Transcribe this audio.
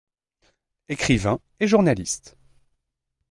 Ecrivain et journaliste.